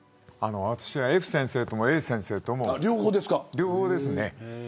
私はＦ先生ともＡ先生とも。両方ですね。